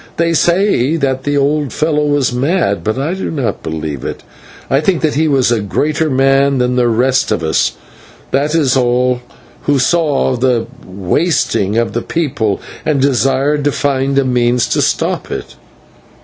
They say that the old fellow was mad, but I do not believe it. I think that he was a greater man than the rest of us, that is all, who saw the wasting of the people and desired to find a means to stop it."